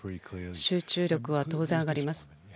集中力は当然、上がります。